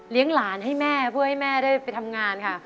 หลานให้แม่เพื่อให้แม่ได้ไปทำงานค่ะ